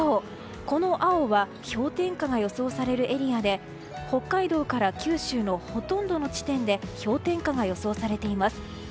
この青は氷点下が予想されるエリアで北海道から九州のほとんどの地点で氷点下が予想されています。